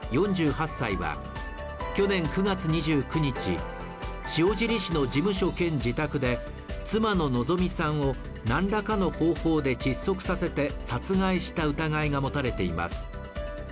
４８歳は去年９月２９日塩尻市の事務所兼自宅で妻の希美さんを何らかの方法で窒息させて殺害した疑いが持たれています。